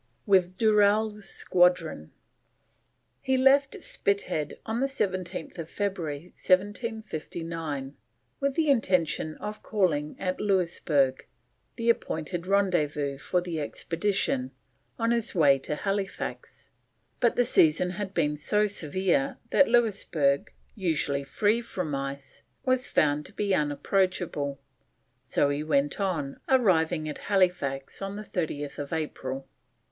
WITH DURELL'S SQUADRON. He left Spithead on 17th February 1759, with the intention of calling at Louisburg, the appointed rendezvous for the expedition, on his way to Halifax; but the season had been so severe that Louisburg, usually free from ice, was found to be unapproachable, so he went on, arriving at Halifax on 30th April.